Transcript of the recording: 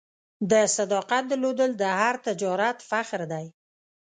د صداقت درلودل د هر تجارت فخر دی.